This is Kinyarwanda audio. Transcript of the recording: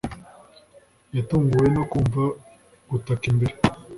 Yatunguwe no kumva gutaka imbere